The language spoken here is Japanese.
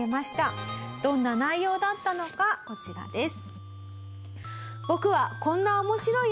どんな内容だったのかこちらです。